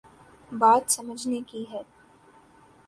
بات سمجھنے کی ہے۔